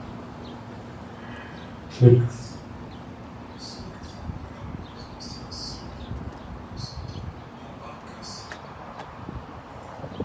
C'est l'exemplaire le plus ancien survivant de ce type d'embarcation.